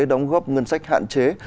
đóng góp ngân sách hạn chế